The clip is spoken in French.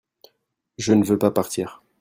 je ne veux pas partir.